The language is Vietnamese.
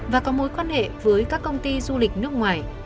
và có mối quan hệ với các công ty du lịch nước ngoài